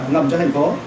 ngầm cho thành phố